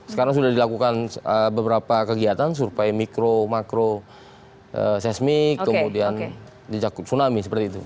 sekarang sudah dilakukan beberapa kegiatan surpaid micro macro seismik kemudian diajak tsunami seperti itu